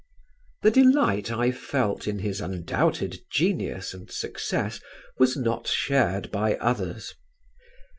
The delight I felt in his undoubted genius and success was not shared by others.